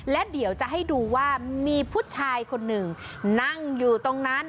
และเดี๋ยวจะให้ดูว่ามีผู้ชายคนหนึ่งนั่งอยู่ตรงนั้น